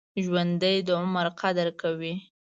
ژوندي د عمر قدر کوي